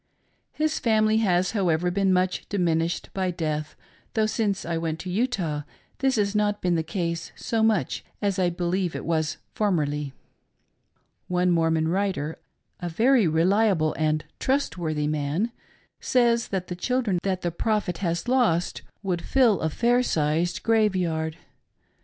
His family has however been much diminished by death, though since I went to Utah this has not been the case so much as I believe it was formerly. One Mormon writer — a very reliable and trustworthy man — says that the children that the Prophet has A GENTILE STORY OF BROTHER BRIGHAM. 29I lost would fill a fair sized graveyard.